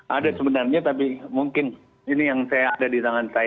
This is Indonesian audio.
ada sebenarnya tapi mungkin ini yang saya ada di tangan saya